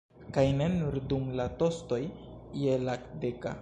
Kaj ne nur dum la tostoj je la deka.